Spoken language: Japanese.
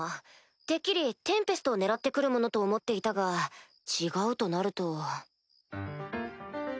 てっきりテンペストを狙って来るものと思っていたが違うとなると。